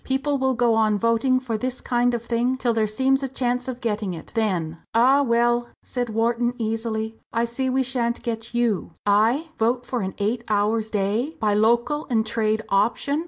People will go on voting for this kind of thing, till there seems a chance of getting it. Then!" "Ah, well!" said Wharton, easily, "I see we shan't get you." "I! vote for an eight hours day, by local and trade option!